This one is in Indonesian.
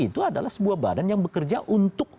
itu adalah sebuah badan yang bekerja untuk